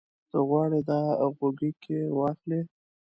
ته غواړې دا غوږيکې واخلې؟